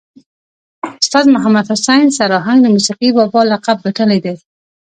استاذ محمد حسین سر آهنګ د موسیقي بابا لقب ګټلی دی.